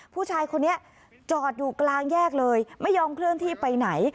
ผู้ชายคนนี้จอดอยู่กลางแยกเลยไม่ยอมเคลื่อนที่ไปไหน